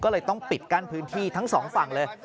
ก็เลยต้องปิดกั้นพื้นที่ทั้งสองฝั่งเลย